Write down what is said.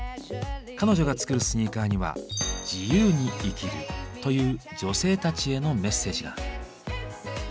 彼女が作るスニーカーには「自由に生きる」という女性たちへのメッセージが。